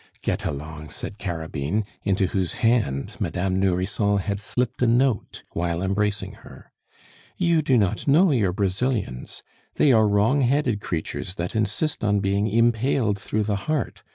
"Get along," said Carabine, into whose hand Madame Nourrisson had slipped a note while embracing her, "you do not know your Brazilians. They are wrong headed creatures that insist on being impaled through the heart.